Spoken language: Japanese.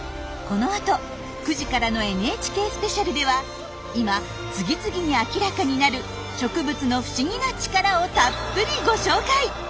このあと９時からの「ＮＨＫスペシャル」では今次々に明らかになる植物の不思議な力をたっぷりご紹介！